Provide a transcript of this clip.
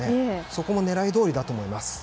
そこも狙いどおりだと思います。